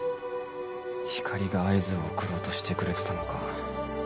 光莉が合図を送ろうとしてくれてたのか。